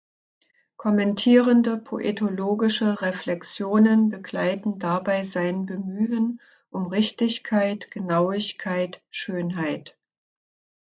Kommentierende poetologische Reflexionen begleiten dabei sein Bemühen um „Richtigkeit, Genauigkeit, Schönheit“.